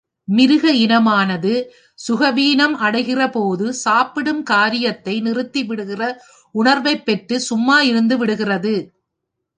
மிருக இனமானது சுகவீனம் அடைகிறபோது சாப்பிடும் காரியத்தை நிறுத்தி விடுகிற உணர்வைப் பெற்று சும்மா இருந்து விடுகிறது.